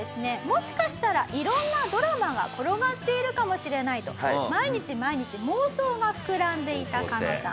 もしかしたら色んなドラマが転がっているかもしれないと毎日毎日妄想が膨らんでいたカノさん。